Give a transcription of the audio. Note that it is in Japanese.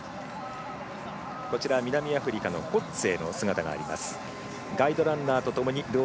南アフリカのコッツェーの姿があります。